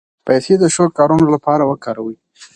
پیسې د ښو کارونو لپاره وکاروئ.